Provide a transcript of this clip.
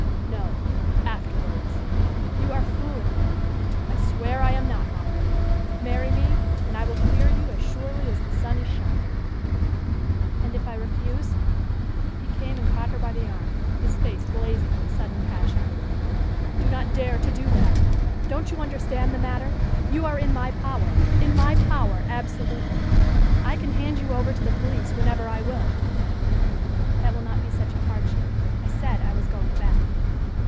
"No, afterwards." "You are fooling me." "I swear I am not, Margaret. Marry me, and I will clear you as surely as the sun is shining." "And if I refuse?" He came and caught her by the arm, his face blazing with sudden passion. "Do not dare to do that! Don't you understand the matter? You are in my power in my power absolutely. I can hand you over to the police whenever I will." "That will not be such a hardship. I said I was going back."